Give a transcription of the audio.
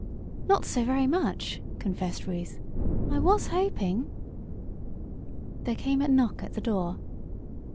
"Not so very much," confessed Ruth. "I was hoping " There came a knock at the door.